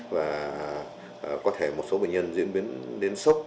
và có thể một số bệnh nhân diễn biến đến sốc